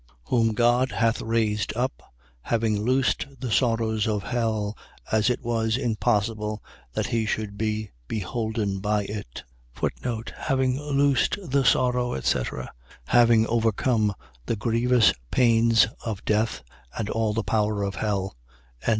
Whom God hath raised up, having loosed the sorrows of hell, as it was impossible that he should be holden by it. Having loosed the sorrow, etc. . .Having overcome the grievous pains of death and all the power of hell. 2:25.